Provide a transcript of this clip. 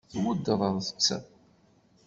Tweddṛeḍ-tt?